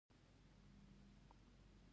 او نشي کولې چې په نړیوال ستیج